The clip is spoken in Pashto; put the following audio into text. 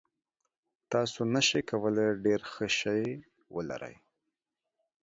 تاسو نشئ کولی ډیر ښه شی ولرئ.